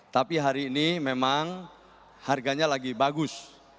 tapi hari ini memang harganya lagi bagus